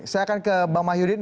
saya akan ke bang mahyudin